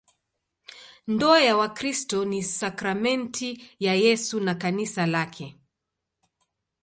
Ndoa ya Wakristo ni sakramenti ya Yesu na Kanisa lake.